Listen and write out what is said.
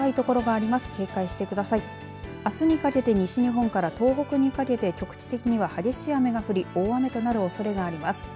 あすにかけて、西日本から東北にかけて局地的には激しい雨が降り大雨となるおそれがあります。